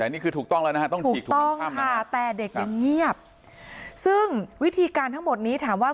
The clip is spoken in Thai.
แต่นี่คือถูกต้องแล้วนะฮะต้องฉีกถูกต้องค่ะแต่เด็กยังเงียบซึ่งวิธีการทั้งหมดนี้ถามว่า